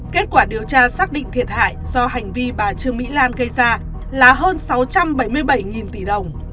kết quả điều tra xác định thiệt hại do hành vi bà trương mỹ lan gây ra là hơn sáu trăm bảy mươi bảy tỷ đồng